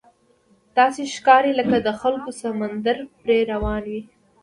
داسې ښکاري لکه د خلکو سمندر پرې روان وي.